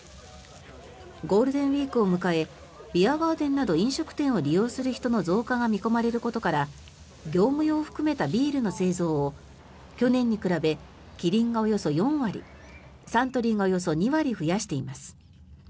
ゴールデンウィークを迎えビアガーデンなど飲食店を利用する人の増加が見込まれることから業務用を含めたビールの製造を去年に比べキリンがおよそ４割サントリーがおよそ２割増やしています。